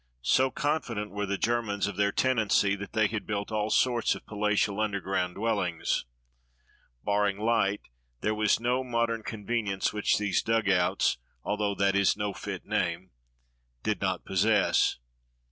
So confident were the Germans of their tenancy that they had built all sorts of palatial underground dwellings. Barring light, there was no modern convenience which these dugouts (although that is no fit name) did not possess.